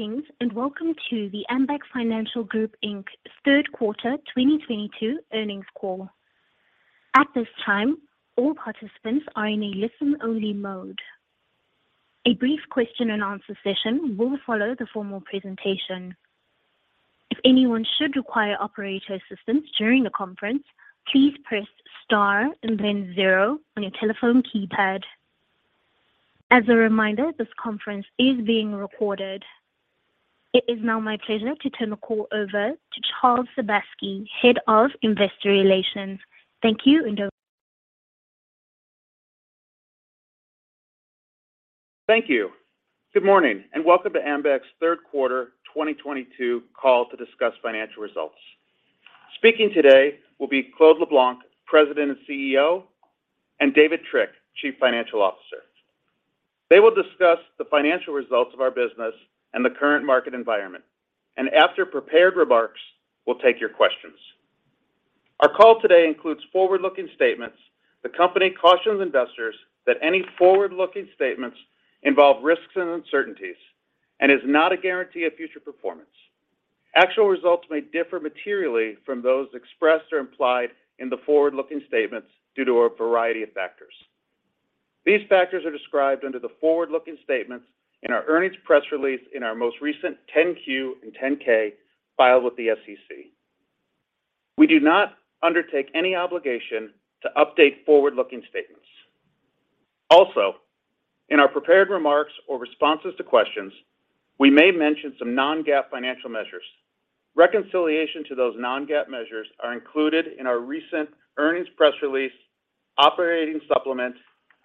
Greetings, and welcome to the Ambac Financial Group, Inc.'s third quarter 2022 earnings call. At this time, all participants are in a listen-only mode. A brief question-and-answer session will follow the formal presentation. If anyone should require operator assistance during the conference, please press star and then zero on your telephone keypad. As a reminder, this conference is being recorded. It is now my pleasure to turn the call over to Charles Sebaski, Head of Investor Relations. Thank you and over- Thank you. Good morning, and welcome to Ambac's third quarter 2022 call to discuss financial results. Speaking today will be Claude LeBlanc, President and CEO, and David Trick, Chief Financial Officer. They will discuss the financial results of our business and the current market environment. After prepared remarks, we'll take your questions. Our call today includes forward-looking statements. The company cautions investors that any forward-looking statements involve risks and uncertainties and is not a guarantee of future performance. Actual results may differ materially from those expressed or implied in the forward-looking statements due to a variety of factors. These factors are described under the forward-looking statements in our earnings press release in our most recent 10-Q and 10-K filed with the SEC. We do not undertake any obligation to update forward-looking statements. Also, in our prepared remarks or responses to questions, we may mention some non-GAAP financial measures. Reconciliation to those non-GAAP measures are included in our recent earnings press release, operating supplement,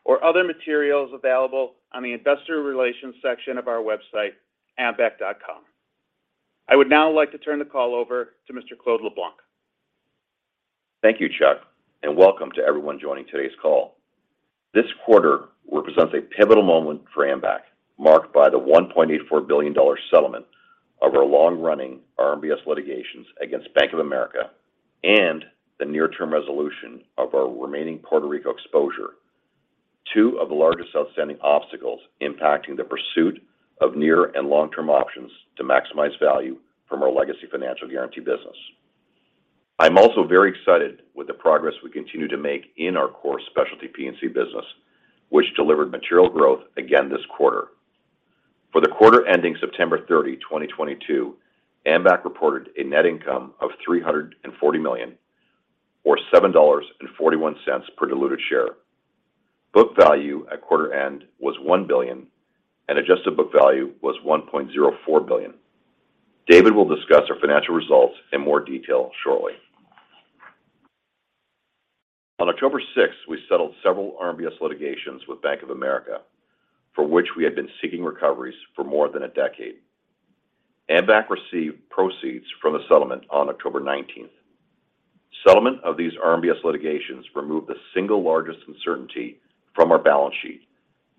or other materials available on the investor relations section of our website, Ambac.com. I would now like to turn the call over to Mr. Claude LeBlanc. Thank you, Chuck, and welcome to everyone joining today's call. This quarter represents a pivotal moment for Ambac, marked by the $1.84 billion settlement of our long-running RMBS litigations against Bank of America and the near-term resolution of our remaining Puerto Rico exposure, two of the largest outstanding obstacles impacting the pursuit of near and long-term options to maximize value from our legacy financial guarantee business. I'm also very excited with the progress we continue to make in our core specialty P&C business, which delivered material growth again this quarter. For the quarter ending September 30, 2022, Ambac reported a net income of $340 million or $7.41 per diluted share. Book value at quarter end was $1 billion and adjusted book value was $1.04 billion. David will discuss our financial results in more detail shortly. On October 6th, we settled several RMBS litigations with Bank of America, for which we had been seeking recoveries for more than a decade. Ambac received proceeds from the settlement on October 19th. Settlement of these RMBS litigations removed the single largest uncertainty from our balance sheet,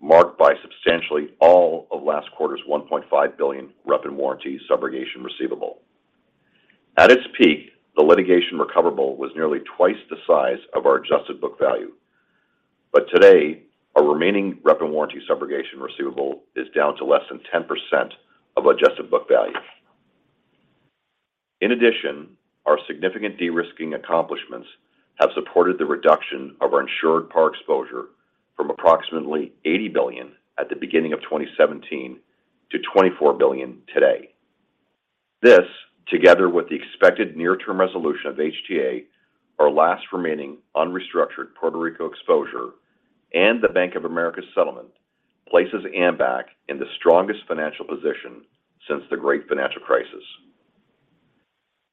marked by substantially all of last quarter's $1.5 billion rep and warranty subrogation receivable. At its peak, the litigation recoverable was nearly twice the size of our adjusted book value. Today, our remaining rep and warranty subrogation receivable is down to less than 10% of adjusted book value. In addition, our significant de-risking accomplishments have supported the reduction of our insured par exposure from approximately $80 billion at the beginning of 2017 to $24 billion today. This, together with the expected near-term resolution of HTA, our last remaining unstructured Puerto Rico exposure, and the Bank of America settlement, places Ambac in the strongest financial position since the great financial crisis.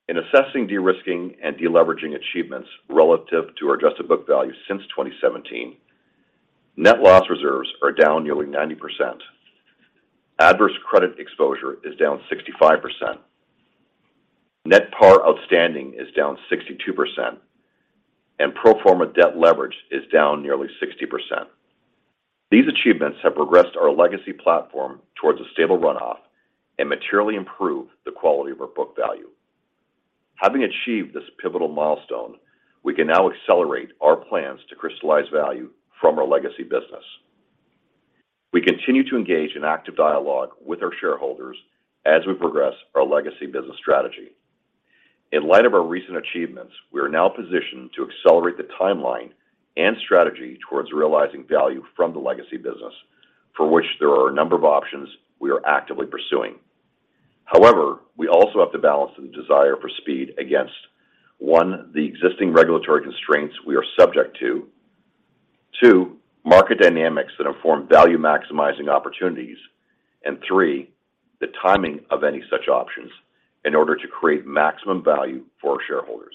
In assessing de-risking and de-leveraging achievements relative to our adjusted book value since 2017, net loss reserves are down nearly 90%. Adverse credit exposure is down 65%. Net par outstanding is down 62%, and pro forma debt leverage is down nearly 60%. These achievements have progressed our legacy platform towards a stable runoff and materially improve the quality of our book value. Having achieved this pivotal milestone, we can now accelerate our plans to crystallize value from our legacy business. We continue to engage in active dialogue with our shareholders as we progress our legacy business strategy. In light of our recent achievements, we are now positioned to accelerate the timeline and strategy towards realizing value from the legacy business for which there are a number of options we are actively pursuing. However, we also have to balance the desire for speed against, one, the existing regulatory constraints we are subject to. Two, market dynamics that inform value-maximizing opportunities. And three, the timing of any such options in order to create maximum value for our shareholders.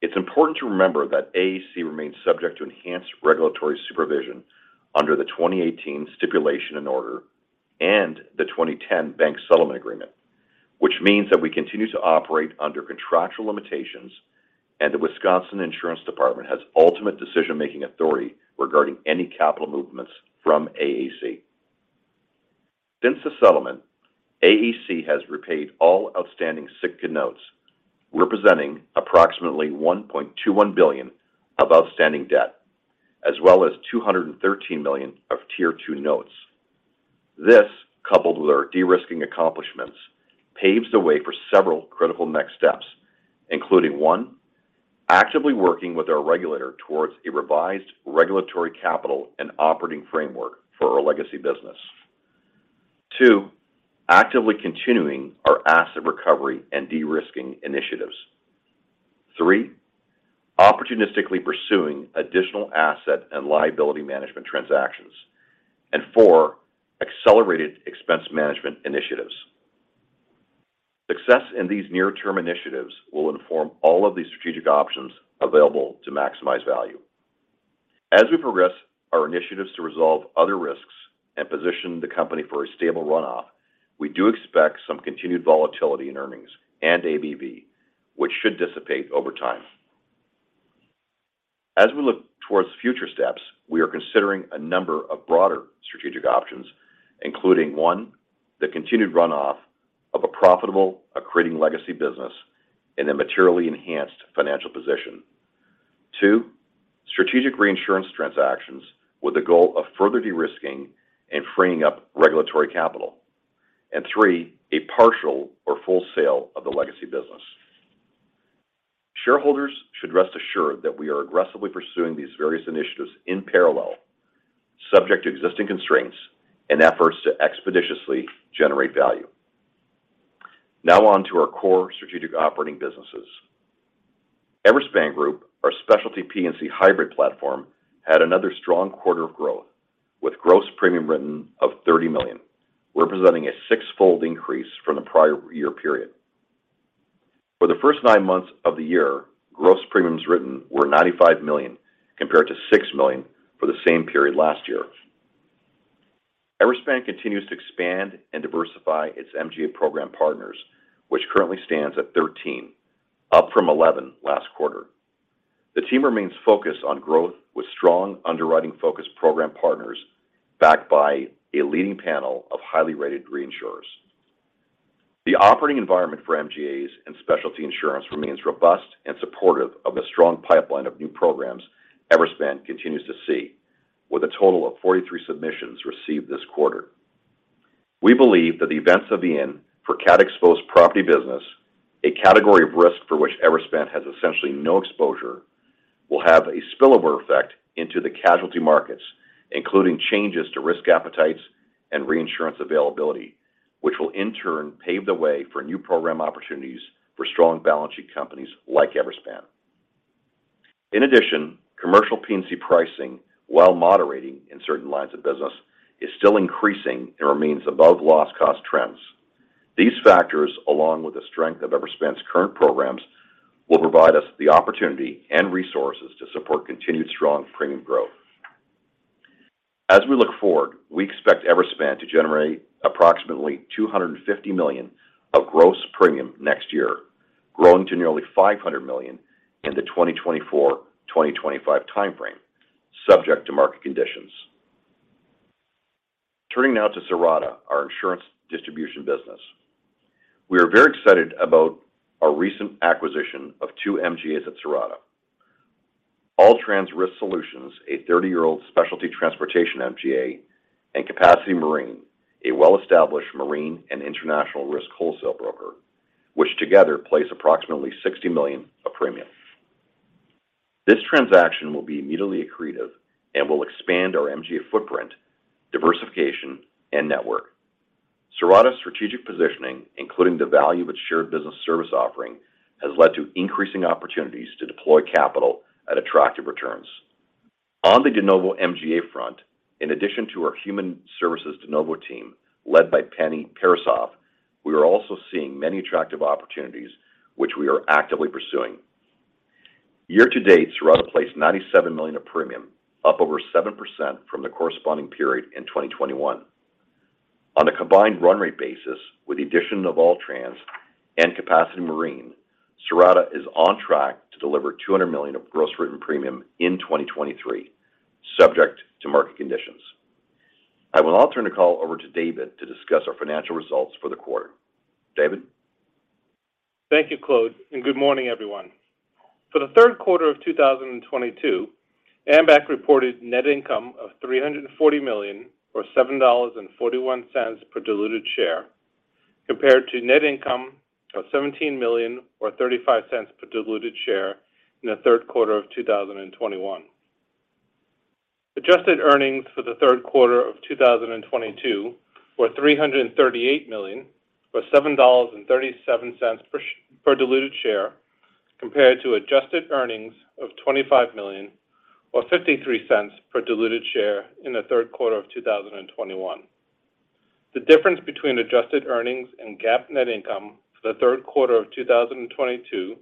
It's important to remember that AAC remains subject to enhanced regulatory supervision under the 2018 Stipulation and Order and the 2010 Bank Settlement Agreement, which means that we continue to operate under contractual limitations and the Wisconsin insurance department has ultimate decision-making authority regarding any capital movements from AAC. Since the settlement, AAC has repaid all outstanding Sitka Notes, representing approximately $1.21 billion of outstanding debt. As well as $213 million of Tier 2 Notes. This, coupled with our de-risking accomplishments, paves the way for several critical next steps, including one, actively working with our regulator towards a revised regulatory capital and operating framework for our legacy business. Two, actively continuing our asset recovery and de-risking initiatives. Three, opportunistically pursuing additional asset and liability management transactions. And four, accelerated expense management initiatives. Success in these near-term initiatives will inform all of the strategic options available to maximize value. As we progress our initiatives to resolve other risks and position the company for a stable runoff, we do expect some continued volatility in earnings and ABV, which should dissipate over time. As we look towards future steps, we are considering a number of broader strategic options, including one, the continued runoff of a profitable, accreting legacy business in a materially enhanced financial position. Two, strategic reinsurance transactions with the goal of further de-risking and freeing up regulatory capital. Three, a partial or full sale of the legacy business. Shareholders should rest assured that we are aggressively pursuing these various initiatives in parallel, subject to existing constraints and efforts to expeditiously generate value. Now on to our core strategic operating businesses. Everspan Group, our specialty P&C hybrid platform, had another strong quarter of growth with gross premiums written of $30 million, representing a six-fold increase from the prior year period. For the first nine months of the year, gross premiums written were $95 million, compared to $6 million for the same period last year. Everspan continues to expand and diversify its MGA program partners, which currently stands at 13, up from 11 last quarter. The team remains focused on growth with strong underwriting-focused program partners backed by a leading panel of highly rated reinsurers. The operating environment for MGAs and specialty insurance remains robust and supportive of the strong pipeline of new programs Everspan continues to see with a total of 43 submissions received this quarter. We believe that the events of the end for CAT exposed property business, a category of risk for which Everspan has essentially no exposure, will have a spillover effect into the casualty markets, including changes to risk appetites and reinsurance availability, which will in turn pave the way for new program opportunities for strong balance sheet companies like Everspan. In addition, commercial P&C pricing, while moderating in certain lines of business, is still increasing and remains above loss cost trends. These factors, along with the strength of Everspan's current programs, will provide us the opportunity and resources to support continued strong premium growth. As we look forward, we expect Everspan to generate approximately $250 million of gross premium next year, growing to nearly $500 million in the 2024/2025 time frame, subject to market conditions. Turning now to Cirrata, our insurance distribution business. We are very excited about our recent acquisition of two MGAs at Cirrata. All Trans Risk Solutions, a 30-year-old specialty transportation MGA, and Capacity Marine, a well-established marine and international risk wholesale broker, which together place approximately $60 million of premium. This transaction will be immediately accretive and will expand our MGA footprint, diversification, and network. Cirrata's strategic positioning, including the value of its shared business service offering, has led to increasing opportunities to deploy capital at attractive returns. On the de novo MGA front, in addition to our human services de novo team led by Penny Parisoff, we are also seeing many attractive opportunities which we are actively pursuing. Year to date, Cirrata placed $97 million of premium, up over 7% from the corresponding period in 2021. On a combined run rate basis, with the addition of All Trans and Capacity Marine, Cirrata is on track to deliver $200 million of gross written premium in 2023, subject to market conditions. I will now turn the call over to David to discuss our financial results for the quarter. David? Thank you, Claude, and good morning, everyone. For the third quarter of 2022, Ambac reported net income of $340 million or $7.41 per diluted share, compared to net income of $17 million or $0.35 per diluted share in the third quarter of 2021. Adjusted earnings for the third quarter of 2022 were $338 million or $7.37 per diluted share, compared to adjusted earnings of $25 million or $0.53 per diluted share in the third quarter of 2021. The difference between adjusted earnings and GAAP net income for the third quarter of 2022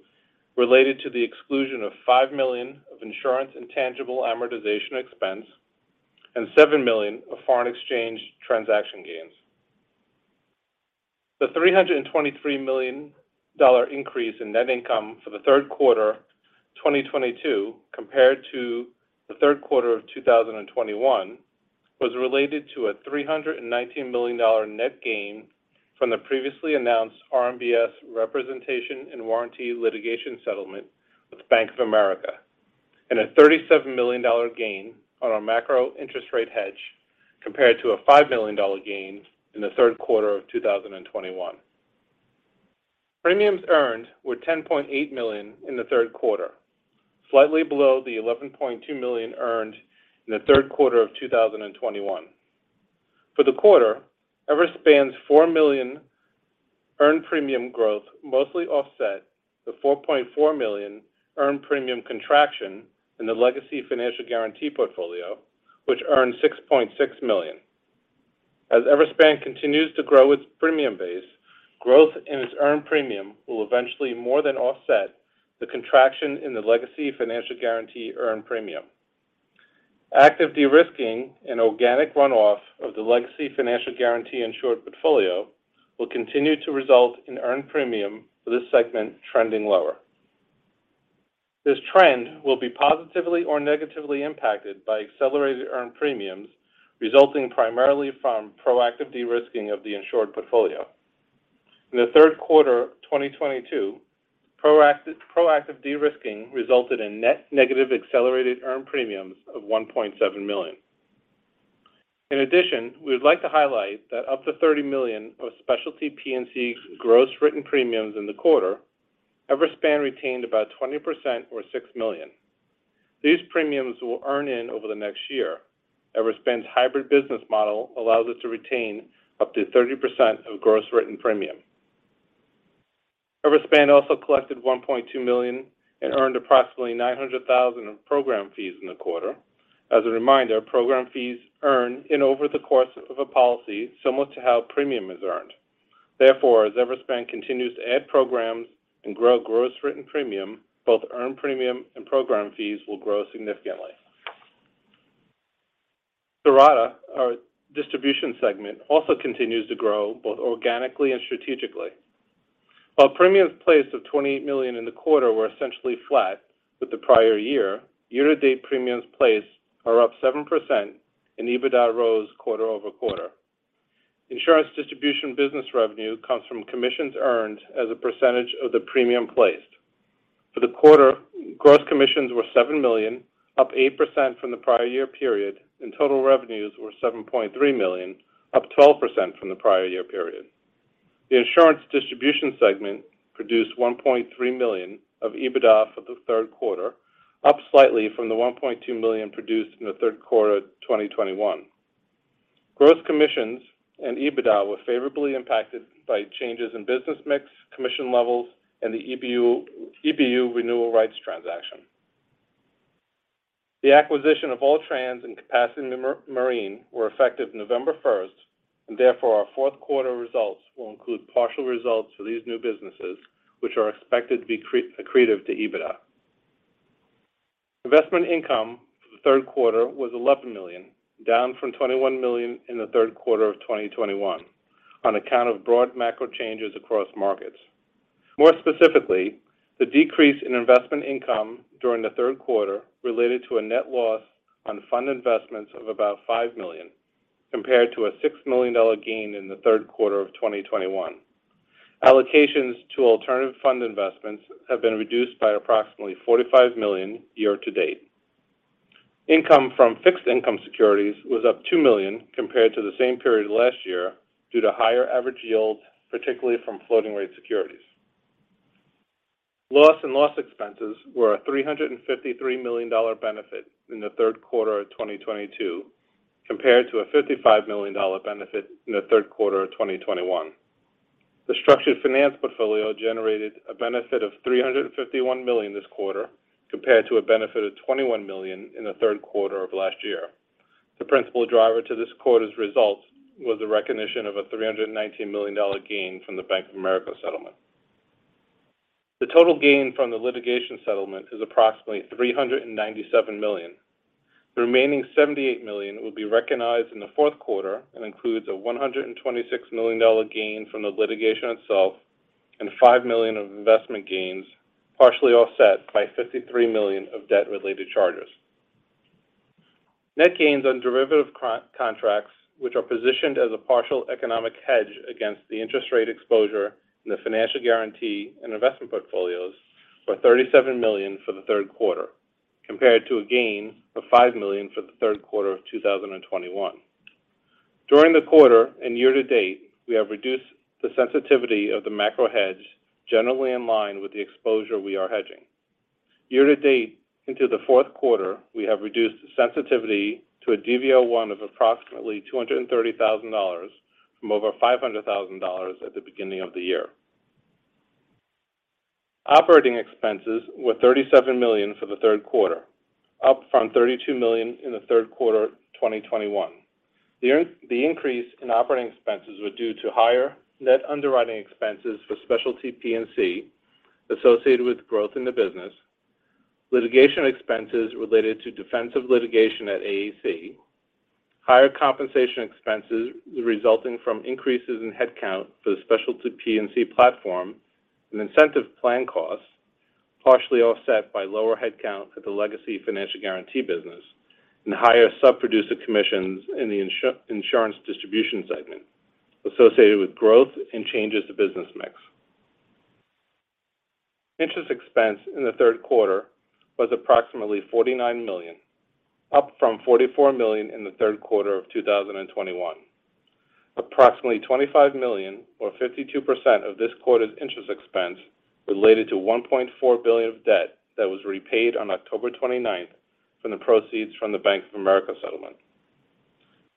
related to the exclusion of $5 million of insurance intangible amortization expense and $7 million of foreign exchange transaction gains. The $323 million increase in net income for the third quarter 2022 compared to the third quarter of 2021 was related to a $319 million net gain from the previously announced RMBS representation and warranty litigation settlement with Bank of America, and a $37 million gain on our macro interest rate hedge compared to a $5 million gain in the third quarter of 2021. Premiums earned were $10.8 million in the third quarter, slightly below the $11.2 million earned in the third quarter of 2021. For the quarter, Everspan's $4 million earned premium growth mostly offset the $4.4 million earned premium contraction in the legacy financial guarantee portfolio, which earned $6.6 million. As Everspan continues to grow its premium base, growth in its earned premium will eventually more than offset the contraction in the legacy financial guarantee earned premium. Active de-risking and organic run-off of the legacy financial guarantee insured portfolio will continue to result in earned premium for this segment trending lower. This trend will be positively or negatively impacted by accelerated earned premiums, resulting primarily from proactive de-risking of the insured portfolio. In the third quarter of 2022, proactive de-risking resulted in net negative accelerated earned premiums of $1.7 million. In addition, we would like to highlight that up to $30 million of specialty P&C gross written premiums in the quarter, Everspan retained about 20% or $6 million. These premiums will earn in over the next year. Everspan's hybrid business model allows us to retain up to 30% of gross written premium. Everspan also collected $1.2 million and earned approximately $900,000 of program fees in the quarter. As a reminder, program fees earn in over the course of a policy similar to how premium is earned. Therefore, as Everspan continues to add programs and grow gross written premium, both earned premium and program fees will grow significantly. Cirrata, our distribution segment, also continues to grow both organically and strategically. While premiums placed of $28 million in the quarter were essentially flat with the prior year-to-date premiums placed are up 7% and EBITDA rose quarter-over-quarter. Insurance distribution business revenue comes from commissions earned as a percentage of the premium placed. For the quarter, gross commissions were $7 million, up 8% from the prior year period, and total revenues were $7.3 million, up 12% from the prior year period. The insurance distribution segment produced $1.3 million of EBITDA for the third quarter, up slightly from the $1.2 million produced in the third quarter of 2021. Gross commissions and EBITDA were favorably impacted by changes in business mix, commission levels, and the EBU renewal rights transaction. The acquisition of All Trans and Capacity Marine were effective November 1st, and therefore our fourth quarter results will include partial results for these new businesses, which are expected to be accretive to EBITDA. Investment income for the third quarter was $11 million, down from $21 million in the third quarter of 2021 on account of broad macro changes across markets. More specifically, the decrease in investment income during the third quarter related to a net loss on fund investments of about $5 million, compared to a $6 million gain in the third quarter of 2021. Allocations to alternative fund investments have been reduced by approximately $45 million year to date. Income from fixed income securities was up $2 million compared to the same period last year due to higher average yield, particularly from floating rate securities. Loss and loss expenses were a $353 million benefit in the third quarter of 2022, compared to a $55 million benefit in the third quarter of 2021. The structured finance portfolio generated a benefit of $351 million this quarter, compared to a benefit of $21 million in the third quarter of last year. The principal driver to this quarter's results was the recognition of a $319 million gain from the Bank of America settlement. The total gain from the litigation settlement is approximately $397 million. The remaining $78 million will be recognized in the fourth quarter and includes a $126 million gain from the litigation itself and $5 million of investment gains, partially offset by $53 million of debt-related charges. Net gains on derivative contracts, which are positioned as a partial economic hedge against the interest rate exposure in the financial guarantee and investment portfolios, were $37 million for the third quarter, compared to a gain of $5 million for the third quarter of 2021. During the quarter and year to date, we have reduced the sensitivity of the macro hedge generally in line with the exposure we are hedging. Year to date into the fourth quarter, we have reduced the sensitivity to a DV01 of approximately $230,000 from over $500,000 at the beginning of the year. Operating expenses were $37 million for the third quarter, up from $32 million in the third quarter of 2021. The increase in operating expenses were due to higher net underwriting expenses for specialty P&C associated with growth in the business, litigation expenses related to defensive litigation at AAC, higher compensation expenses resulting from increases in headcount for the specialty P&C platform and incentive plan costs. Partially offset by lower headcount at the legacy financial guarantee business and higher sub-producer commissions in the insurance distribution segment associated with growth and changes to business mix. Interest expense in the third quarter was approximately $49 million, up from $44 million in the third quarter of 2021. Approximately $25 million or 52% of this quarter's interest expense related to $1.4 billion of debt that was repaid on October 29th from the proceeds from the Bank of America settlement.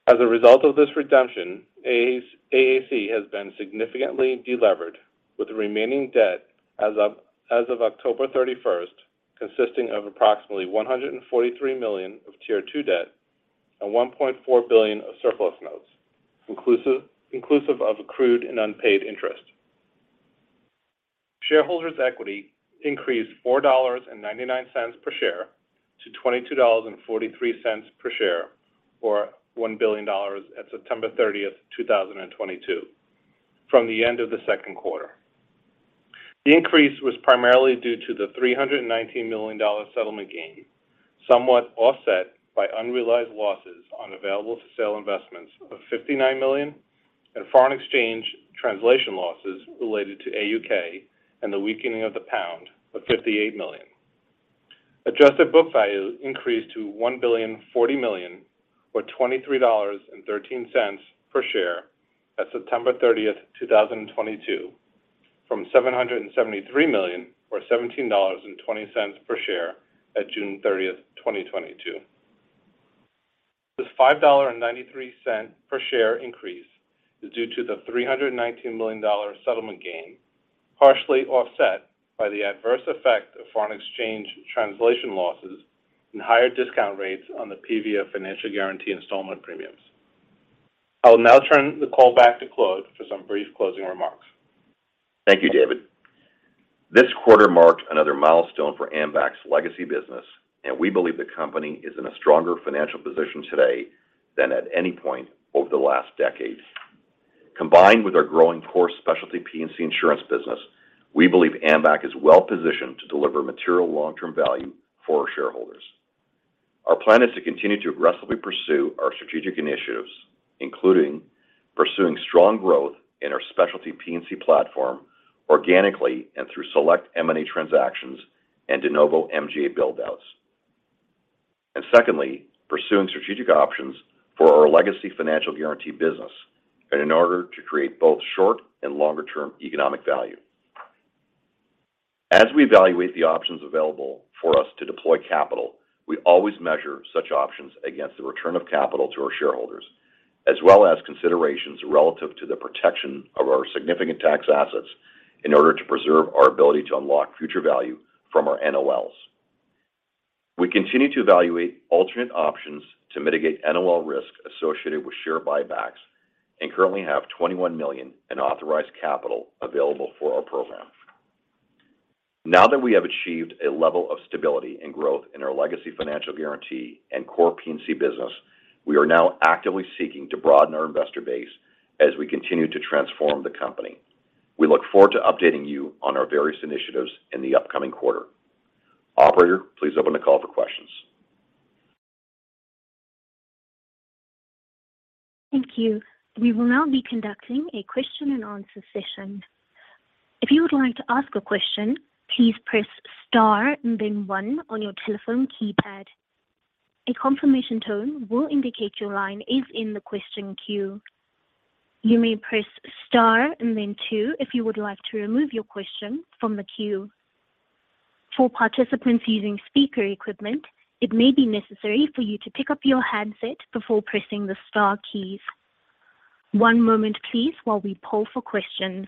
As a result of this redemption, AAC has been significantly delevered, with the remaining debt as of October 31st consisting of approximately $143 million of Tier 2 debt and $1.4 billion of Surplus Notes, inclusive of accrued and unpaid interest. Shareholders equity increased $4.99 per share to $22.43 per share, or $1 billion at September 30th, 2022, from the end of the second quarter. The increase was primarily due to the $319 million settlement gain, somewhat offset by unrealized losses on available-for-sale investments of $59 million and foreign exchange translation losses related to AUK and the weakening of the pound of $58 million. Adjusted book value increased to $1.040 billion or $23.13 per share at September 30th, 2022, from $773 million or $17.20 per share at June 30th, 2022. This $5.93 per share increase is due to the $319 million settlement gain, partially offset by the adverse effect of foreign exchange translation losses and higher discount rates on the PV of financial guarantee installment premiums. I will now turn the call back to Claude for some brief closing remarks. Thank you, David. This quarter marked another milestone for Ambac's legacy business, and we believe the company is in a stronger financial position today than at any point over the last decade. Combined with our growing core specialty P&C insurance business, we believe Ambac is well-positioned to deliver material long-term value for our shareholders. Our plan is to continue to aggressively pursue our strategic initiatives, including pursuing strong growth in our specialty P&C platform organically and through select M&A transactions and de novo MGA build-outs. Secondly, pursuing strategic options for our legacy financial guarantee business in order to create both short and longer term economic value. As we evaluate the options available for us to deploy capital, we always measure such options against the return of capital to our shareholders, as well as considerations relative to the protection of our significant tax assets in order to preserve our ability to unlock future value from our NOLs. We continue to evaluate alternate options to mitigate NOL risk associated with share buybacks and currently have $21 million in authorized capital available for our program. Now that we have achieved a level of stability and growth in our legacy financial guarantee and core P&C business, we are now actively seeking to broaden our investor base as we continue to transform the company. We look forward to updating you on our various initiatives in the upcoming quarter. Operator, please open the call for questions. Thank you. We will now be conducting a question and answer session. If you would like to ask a question, please press star and then one on your telephone keypad. A confirmation tone will indicate your line is in the question queue. You may press star and then two if you would like to remove your question from the queue. For participants using speaker equipment, it may be necessary for you to pick up your handset before pressing the star keys. One moment, please, while we poll for questions.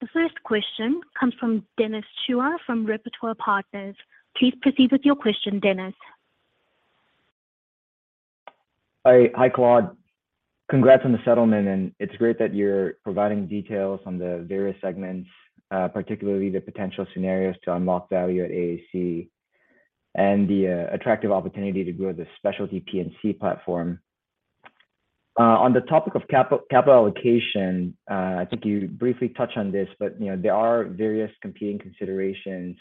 The first question comes from Dennis Chua from Repertoire Partners. Please proceed with your question, Dennis. Hi. Hi, Claude. Congrats on the settlement, and it's great that you're providing details on the various segments, particularly the potential scenarios to unlock value at AAC and the attractive opportunity to grow the specialty P&C platform. On the topic of capital allocation, I think you briefly touched on this, but you know, there are various competing considerations.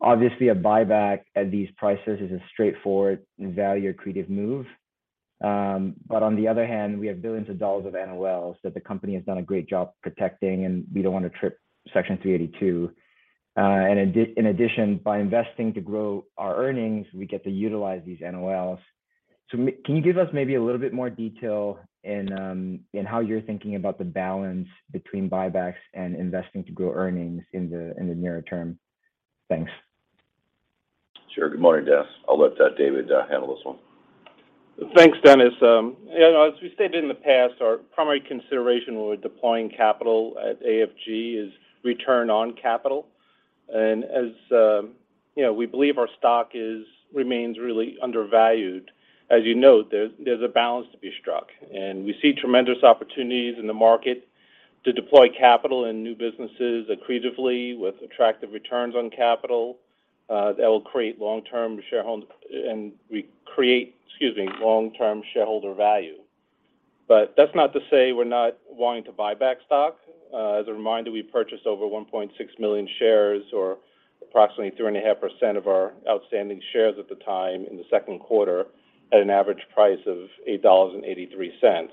Obviously, a buyback at these prices is a straightforward and value-accretive move. But on the other hand, we have billions of dollars of NOLs that the company has done a great job protecting, and we don't want to trip Section 382. In addition, by investing to grow our earnings, we get to utilize these NOLs. Can you give us maybe a little bit more detail in how you're thinking about the balance between buybacks and investing to grow earnings in the near term? Thanks. Sure. Good morning, Dennis. I'll let David handle this one. Thanks, Dennis. You know, as we stated in the past, our primary consideration when we're deploying capital at AFG is return on capital. As you know, we believe our stock remains really undervalued. As you note, there's a balance to be struck, and we see tremendous opportunities in the market to deploy capital in new businesses accretively with attractive returns on capital, that will create long-term shareholder value. That's not to say we're not wanting to buy back stock. As a reminder, we purchased over 1.6 million shares or approximately 3.5% of our outstanding shares at the time in the second quarter at an average price of $8.83.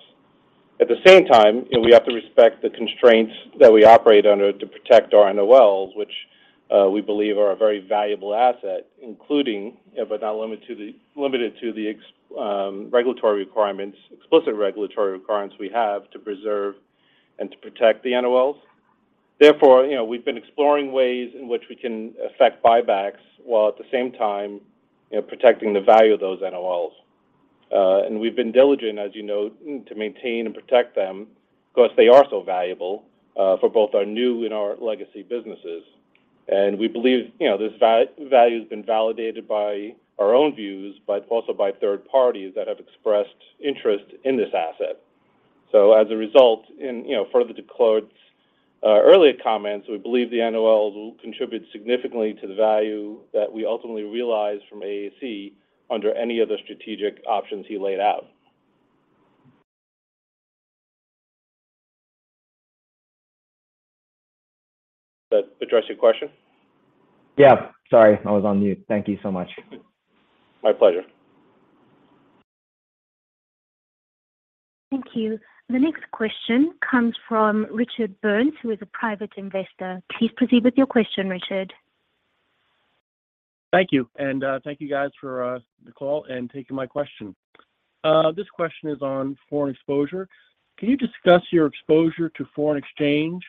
At the same time, you know, we have to respect the constraints that we operate under to protect our NOLs, which we believe are a very valuable asset, including, but not limited to the explicit regulatory requirements we have to preserve and to protect the NOLs. Therefore, you know, we've been exploring ways in which we can effect buybacks while at the same time, you know, protecting the value of those NOLs. We've been diligent, as you know, to maintain and protect them 'cause they are so valuable for both our new and our legacy businesses. We believe, you know, this value has been validated by our own views, but also by third parties that have expressed interest in this asset. As a result, and, you know, further to Claude's earlier comments, we believe the NOLs will contribute significantly to the value that we ultimately realize from AAC under any other strategic options he laid out. Does that address your question? Yeah. Sorry, I was on mute. Thank you so much. My pleasure. Thank you. The next question comes from Richard Burns, who is a Private Investor. Please proceed with your question, Richard. Thank you. Thank you guys for the call and taking my question. This question is on foreign exposure. Can you discuss your exposure to foreign exchange?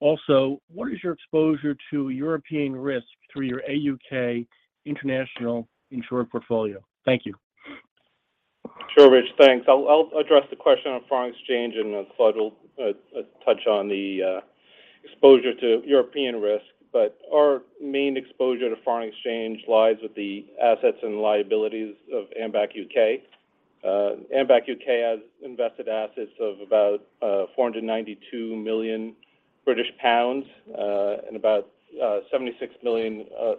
Also, what is your exposure to European risk through your AUK international insured portfolio? Thank you. Sure, Rich, thanks. I'll address the question on foreign exchange, and then Claude will touch on the exposure to European risk. Our main exposure to foreign exchange lies with the assets and liabilities of Ambac UK. Ambac UK has invested assets of about 492 million British pounds, and about GBP 76 million of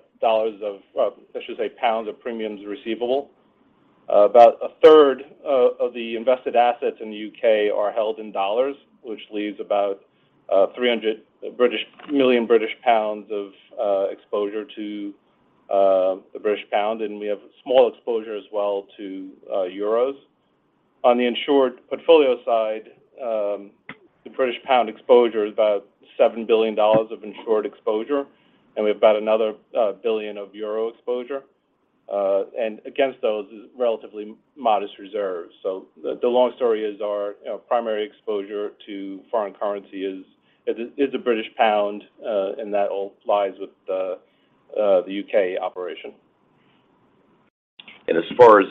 premiums receivable. About 1/3 of the invested assets in the U.K. are held in dollars, which leaves about 300 million British pounds of exposure to the British pound, and we have small exposure as well to euros. On the insured portfolio side, the British pound exposure is about $7 billion of insured exposure, and we have about another $1 billion of euro exposure, and against those is relatively modest reserves. The long story is our, you know, primary exposure to foreign currency is the British pound, and that all lies with the U.K. operation. As far as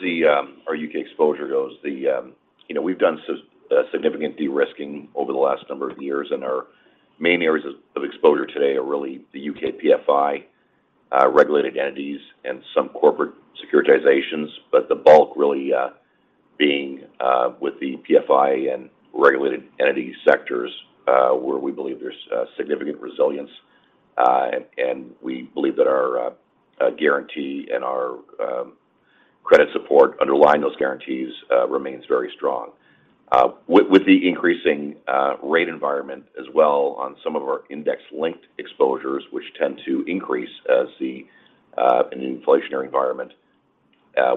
our U.K. exposure goes, you know, we've done significant de-risking over the last number of years, and our main areas of exposure today are really the U.K. PFI, regulated entities and some corporate securitizations, but the bulk really being with the PFI and regulated entity sectors, where we believe there's significant resilience. We believe that our guarantee and our credit support underlying those guarantees remains very strong. With the increasing rate environment as well on some of our index-linked exposures, which tend to increase as an inflationary environment.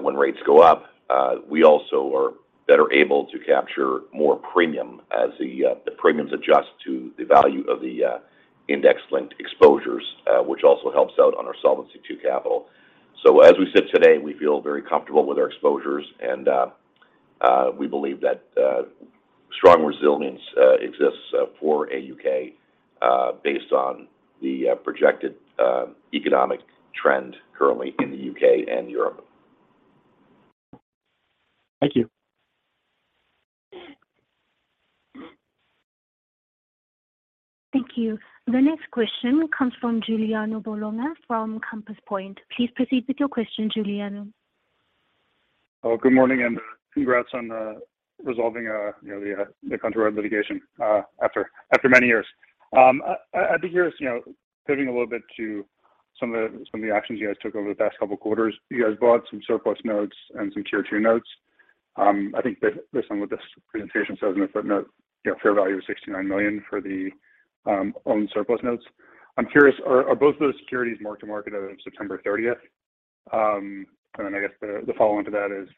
When rates go up, we also are better able to capture more premium as the premiums adjust to the value of the index-linked exposures, which also helps out on our Solvency II capital. As we sit today, we feel very comfortable with our exposures and we believe that strong resilience exists for AUK based on the projected economic trend currently in the U.K. and Europe. Thank you. Thank you. The next question comes from Giuliano Bologna from Compass Point. Please proceed with your question, Giuliano. Oh, good morning and congrats on resolving you know the Countrywide litigation after many years. I'd be curious, you know, pivoting a little bit to some of the actions you guys took over the past couple quarters. You guys bought some Surplus Notes and some Tier 2 notes. I think that this one with this presentation says in a footnote, you know, fair value of $69 million for the own Surplus Notes. I'm curious, are both of those securities mark-to-market as of September 30th? I guess the follow-on to that is,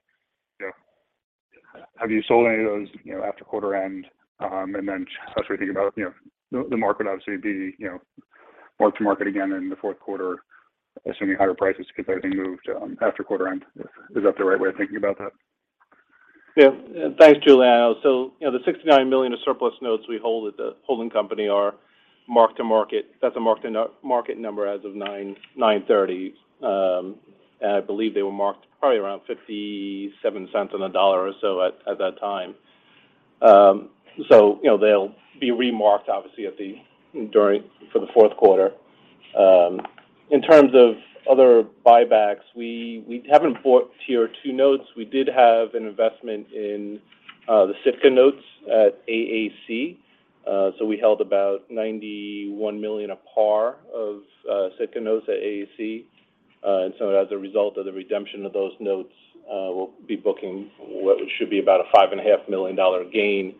you know, have you sold any of those you know after quarter end? Then as we think about, you know, the market obviously being mark-to-market again in the fourth quarter, assuming higher prices, because everything moved after quarter end. Is that the right way of thinking about that? Yeah. Thanks, Giuliano. You know, the $69 million of Surplus Notes we hold at the holding company are mark-to-market. That's a mark-to-market number as of 09/30. I believe they were marked probably around $0.57 on the dollar or so at that time. You know, they'll be remarked obviously for the fourth quarter. In terms of other buybacks, we haven't bought Tier 2 notes. We did have an investment in the Sitka Notes at AAC. We held about $91 million of par of Sitka Notes at AAC. As a result of the redemption of those notes, we'll be booking what should be about a $5.5 million gain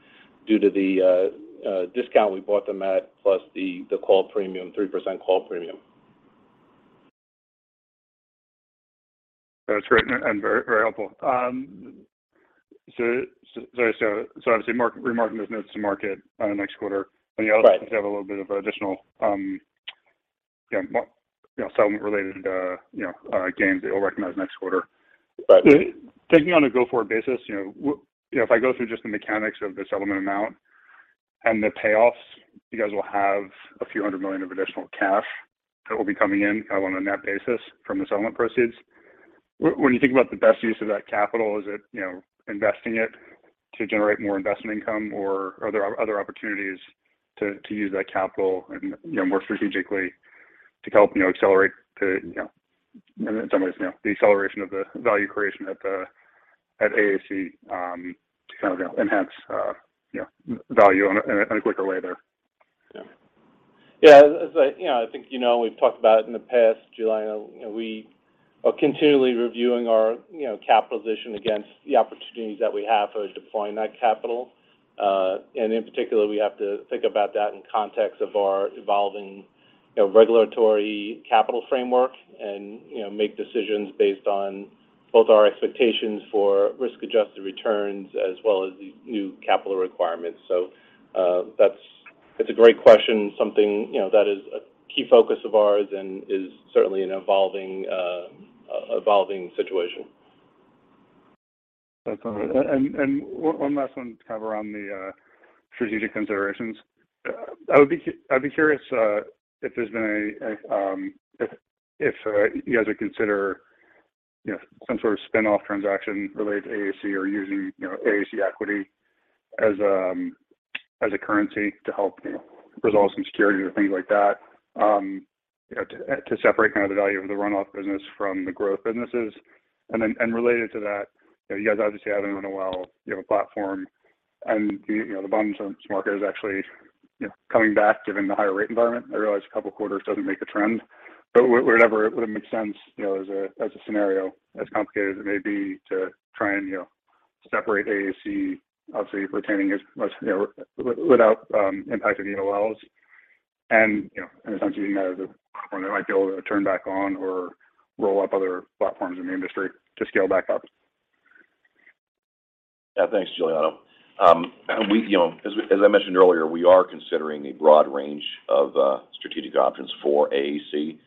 due to the discount we bought them at, plus the call premium, 3% call premium. That's great and very helpful. Obviously remarking those notes to market next quarter. Right. The other things have a little bit of additional, you know, you know, settlement-related, you know, you know, gains that you'll recognize next quarter. Right. Taking on a go-forward basis, you know, if I go through just the mechanics of the settlement amount and the payoffs, you guys will have a few hundred million of additional cash that will be coming in, on a net basis from the settlement proceeds. When you think about the best use of that capital, is it, you know, investing it to generate more investment income, or are there other opportunities to use that capital in, you know, more strategically to help, you know, accelerate the, you know, in some ways, you know, the acceleration of the value creation at the, at AAC, to kind of enhance, you know, value in a, in a quicker way there? Yeah. Yeah, you know, I think you know we've talked about in the past, Giuliano, we are continually reviewing our, you know, capital position against the opportunities that we have for deploying that capital. And in particular, we have to think about that in context of our evolving, you know, regulatory capital framework and, you know, make decisions based on both our expectations for risk-adjusted returns as well as the new capital requirements. That's, it's a great question. Something, you know, that is a key focus of ours and is certainly an evolving situation. That's all right. One last one to cover on the strategic considerations. I'd be curious if you guys would consider, you know, some sort of spin-off transaction related to AAC or using, you know, AAC equity as a currency to help resolve some securities or things like that, you know, to separate kind of the value of the run-off business from the growth businesses. Then related to that, you know, you guys obviously have an NOL. You have a platform. The bottom's in the market is actually, you know, coming back given the higher rate environment. I realize a couple of quarters doesn't make a trend, but would it ever make sense, you know, as a scenario, as complicated as it may be, to try and, you know, separate AAC, obviously retaining as much, you know, without impact of the NOLs? You know, in a sense, using that as a platform they might be able to turn back on or roll up other platforms in the industry to scale back up. Yeah. Thanks, Giuliano. We, you know, as I mentioned earlier, we are considering a broad range of strategic options for AAC.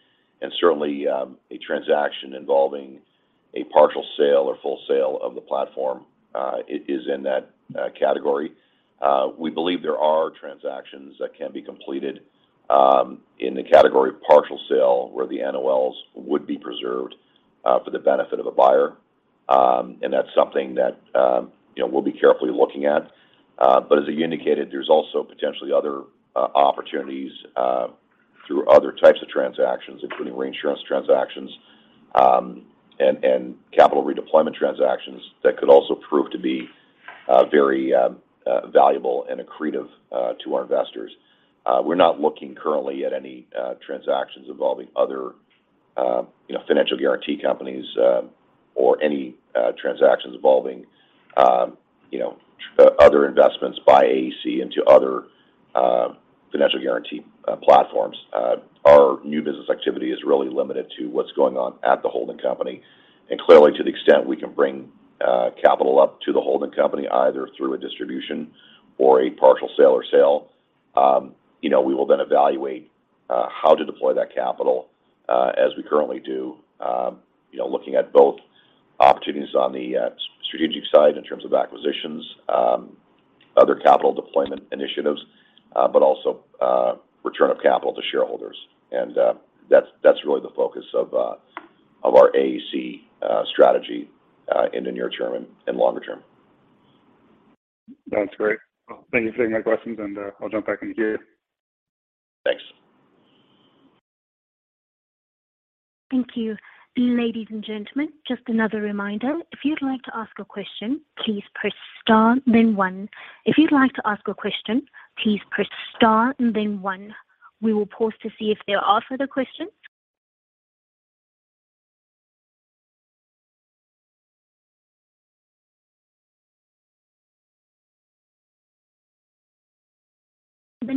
Certainly, a transaction involving a partial sale or full sale of the platform is in that category. We believe there are transactions that can be completed in the category of partial sale, where the NOLs would be preserved for the benefit of a buyer. And that's something that, you know, we'll be carefully looking at. But as you indicated, there's also potentially other opportunities through other types of transactions, including reinsurance transactions, and capital redeployment transactions that could also prove to be very valuable and accretive to our investors. We're not looking currently at any transactions involving other, you know, financial guarantee companies, or any transactions involving, you know, other investments by AAC into other financial guarantee platforms. Our new business activity is really limited to what's going on at the holding company. Clearly, to the extent we can bring capital up to the holding company, either through a distribution or a partial sale, you know, we will then evaluate how to deploy that capital, as we currently do, you know, looking at both opportunities on the strategic side in terms of acquisitions, other capital deployment initiatives, but also return of capital to shareholders. That's really the focus of our AAC strategy in the near term and longer term. Sounds great. Well, thank you for taking my questions, and I'll jump back in here. Thanks. Thank you. Ladies and gentlemen, just another reminder. If you'd like to ask a question, please press star then one. If you'd like to ask a question, please press star and then one. We will pause to see if there are further questions.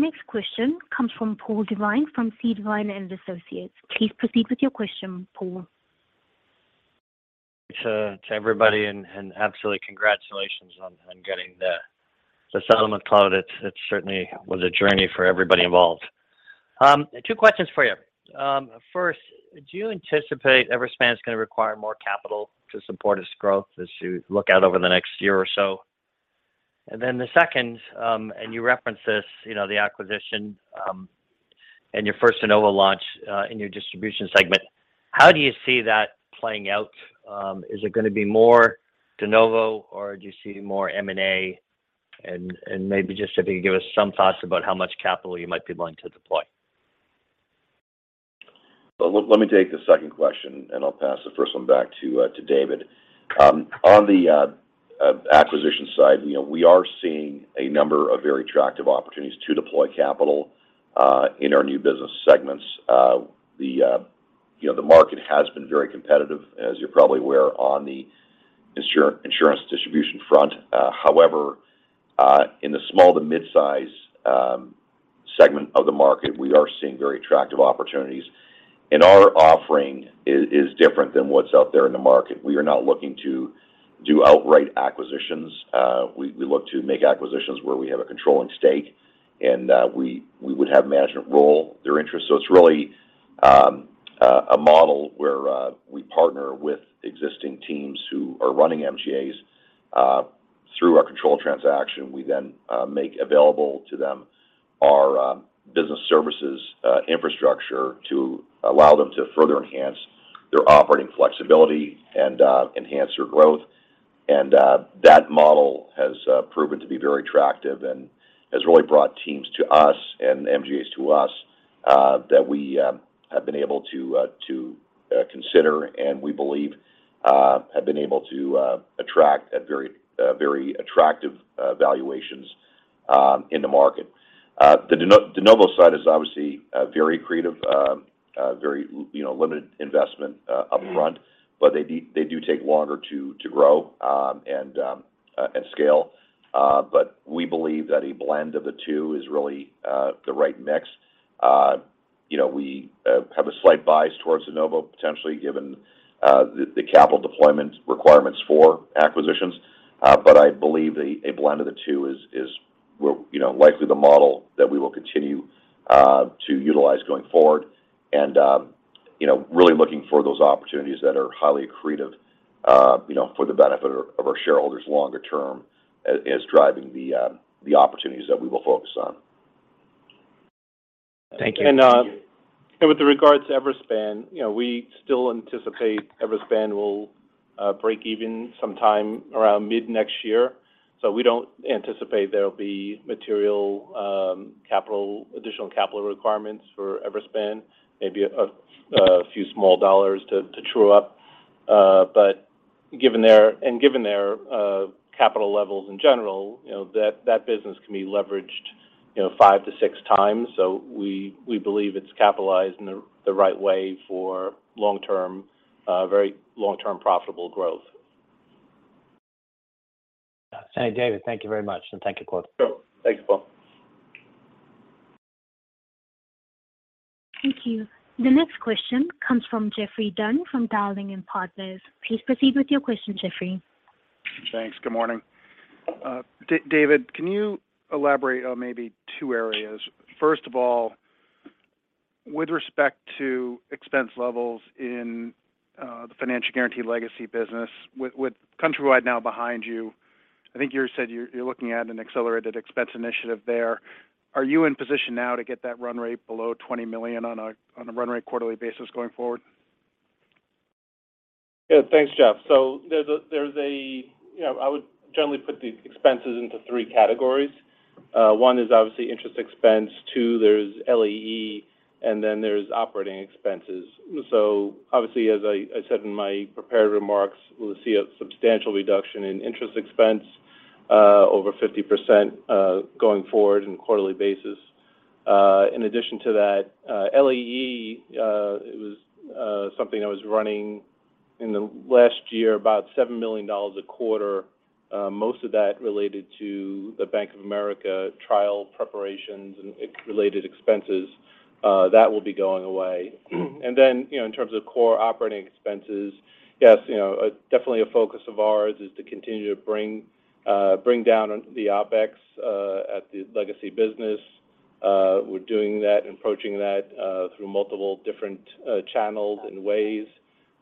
The next question comes from Colin Devine from C. Devine & Associates. Please proceed with your question, Colin. To everybody and absolutely congratulations on getting the settlement closed. It certainly was a journey for everybody involved. Two questions for you. First, do you anticipate Everspan is gonna require more capital to support its growth as you look out over the next year or so? Then the second, and you referenced this, you know, the acquisition, and your first de novo launch in your distribution segment. How do you see that playing out? Is it gonna be more de novo, or do you see more M&A? Maybe just if you could give us some thoughts about how much capital you might be willing to deploy. Let me take the second question, and I'll pass the first one back to David. On the acquisition side, you know, we are seeing a number of very attractive opportunities to deploy capital in our new business segments. The market has been very competitive, as you're probably aware, on the insurance distribution front. However, in the small to midsize segment of the market, we are seeing very attractive opportunities. Our offering is different than what's out there in the market. We are not looking to do outright acquisitions. We look to make acquisitions where we have a controlling stake, and we would have management role and their interest. It's really a model where we partner with existing teams who are running MGAs through our controlled transaction. We then make available to them our business services infrastructure to allow them to further enhance their operating flexibility and enhance their growth. That model has proven to be very attractive and has really brought teams to us and MGAs to us that we have been able to consider and we believe have been able to attract at very attractive valuations in the market. The de novo side is obviously very accretive, you know, very limited investment upfront, but they do take longer to grow and scale. We believe that a blend of the two is really the right mix. You know, we have a slight bias towards de novo potentially given the capital deployment requirements for acquisitions. I believe a blend of the two is likely the model that we will continue to utilize going forward. You know, really looking for those opportunities that are highly accretive, you know, for the benefit of our shareholders longer term as driving the opportunities that we will focus on. Thank you. Thank you. With regards to Everspan, you know, we still anticipate Everspan will break even sometime around mid-next year. We don't anticipate there'll be material additional capital requirements for Everspan, maybe a few small dollars to true up. But given their capital levels in general, you know, that business can be leveraged 5x-6x. We believe it's capitalized in the right way for long-term, very long-term profitable growth. Yeah. David, thank you very much, and thank you, Claude. Sure. Thanks, Colin. Thank you. The next question comes from Geoffrey Dunn from Dowling & Partners. Please proceed with your question, Geoffrey. Thanks. Good morning. David, can you elaborate on maybe two areas? First of all, with respect to expense levels in the financial guarantee legacy business, with Countrywide now behind you, I think you said you're looking at an accelerated expense initiative there. Are you in position now to get that run rate below $20 million on a run rate quarterly basis going forward? Yeah. Thanks, Geoff. There's a you know, I would generally put the expenses into three categories. One is obviously interest expense. Two, there's L&E, and then there's operating expenses. Obviously, as I said in my prepared remarks, we'll see a substantial reduction in interest expense over 50% going forward on a quarterly basis. In addition to that, L&E it was something that was running in the last year about $7 million a quarter, most of that related to the Bank of America trial preparations and related expenses. That will be going away. You know, in terms of core operating expenses, yes, you know, definitely a focus of ours is to continue to bring down on the OpEx at the legacy business. We're doing that and approaching that through multiple different channels and ways.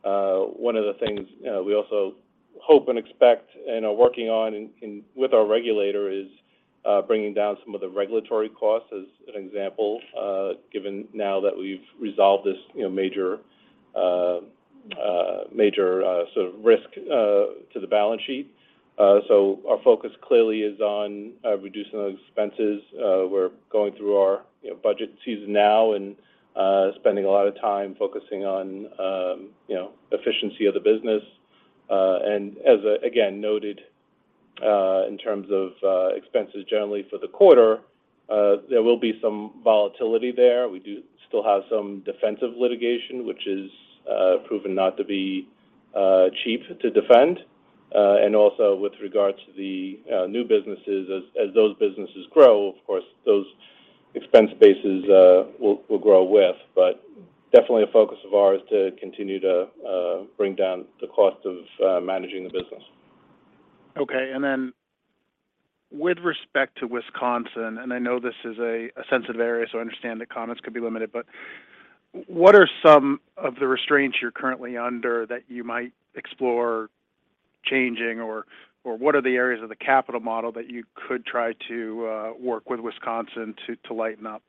One of the things, you know, we also hope and expect and are working on in with our regulator is bringing down some of the regulatory costs, as an example, given now that we've resolved this, you know, major sort of risk to the balance sheet. Our focus clearly is on reducing those expenses. We're going through our, you know, budget season now and spending a lot of time focusing on, you know, efficiency of the business. As again noted, in terms of expenses generally for the quarter, there will be some volatility there. We do still have some defensive litigation, which has proven not to be cheap to defend. Also with regards to the new businesses, as those businesses grow, of course, those expense bases will grow with. Definitely a focus of ours to continue to bring down the cost of managing the business. Okay. With respect to Wisconsin, I know this is a sensitive area, so I understand that comments could be limited, but what are some of the restraints you're currently under that you might explore changing or what are the areas of the capital model that you could try to work with Wisconsin to lighten up?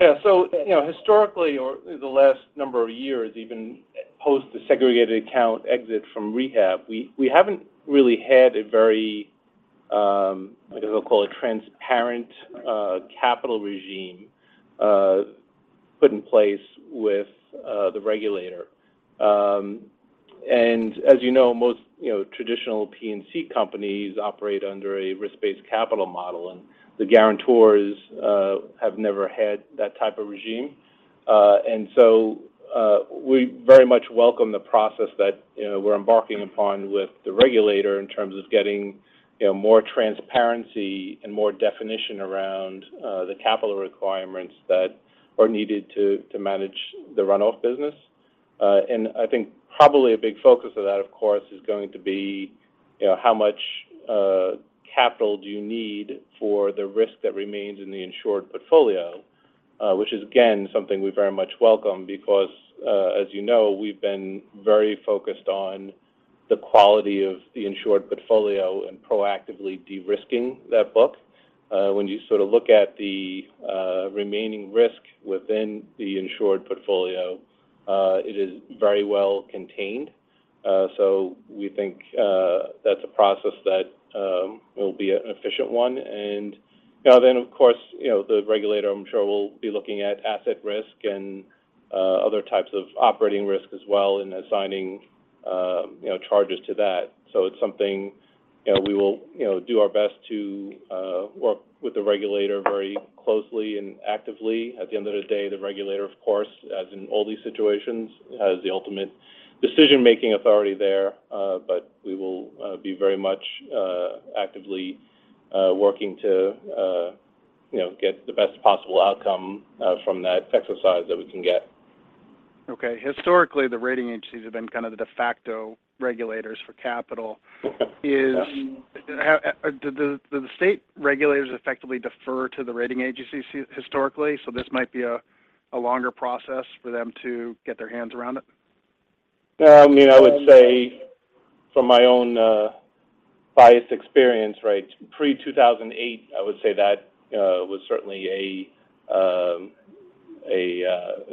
You know, historically, or the last number of years, even post the segregated account exit from rehab, we haven't really had a very, I guess I'll call it transparent, capital regime, put in place with the regulator. As you know, most you know, traditional P&C companies operate under a risk-based capital model, and the guarantors have never had that type of regime. We very much welcome the process that you know, we're embarking upon with the regulator in terms of getting you know, more transparency and more definition around the capital requirements that are needed to manage the runoff business. I think probably a big focus of that, of course, is going to be you know, how much capital do you need for the risk that remains in the insured portfolio? Which is again something we very much welcome because, as you know, we've been very focused on the quality of the insured portfolio and proactively de-risking that book. When you sort of look at the remaining risk within the insured portfolio, it is very well contained. We think that's a process that will be an efficient one. You know, then of course, you know, the regulator I'm sure will be looking at asset risk and other types of operating risk as well and assigning you know charges to that. It's something you know we will you know do our best to work with the regulator very closely and actively. At the end of the day, the regulator, of course, as in all these situations, has the ultimate decision-making authority there. We will be very much actively working to, you know, get the best possible outcome from that exercise that we can get. Okay. Historically, the rating agencies have been kind of the de facto regulators for capital. Yes. Do the state regulators effectively defer to the rating agencies historically? This might be a longer process for them to get their hands around it? You know, I would say from my own biased experience, right, pre-2008, I would say that was certainly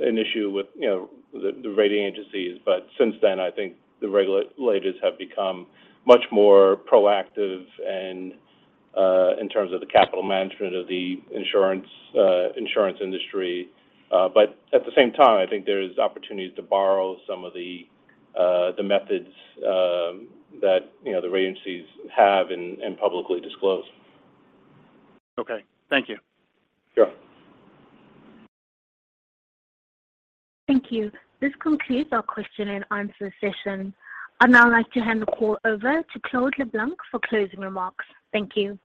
an issue with, you know, the rating agencies. Since then, I think the regulators have become much more proactive and in terms of the capital management of the insurance industry. At the same time, I think there's opportunities to borrow some of the methods that, you know, the rating agencies have and publicly disclose. Okay. Thank you. Sure. Thank you. This concludes our question and answer session. I'd now like to hand the call over to Claude LeBlanc for closing remarks. Thank you.